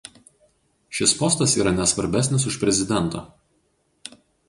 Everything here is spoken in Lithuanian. Šis postas Irane svarbesnis už prezidento.